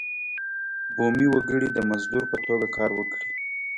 بومي وګړي د مزدور په توګه کار وکړي.